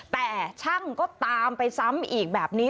แต่ช่างก็ตามไปซ้ำอีกแบบนี้